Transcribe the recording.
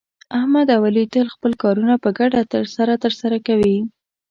احمد او علي تل خپل کارونه په ګډه سره ترسه کوي.